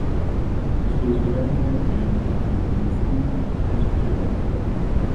Le sue sorelle Gerberga e Cristina le succedettero.